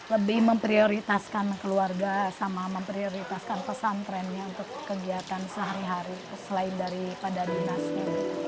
lebih memprioritaskan keluarga sama memprioritaskan pesantrennya untuk kegiatan sehari hari selain daripada dinasnya